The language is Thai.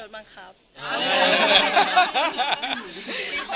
โดดบังคับ